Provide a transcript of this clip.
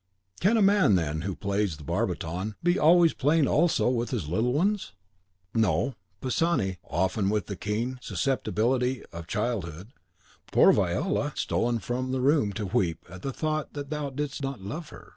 Can a man, then, who plays the barbiton be always playing also with his little ones? No, Pisani; often, with the keen susceptibility of childhood, poor Viola had stolen from the room to weep at the thought that thou didst not love her.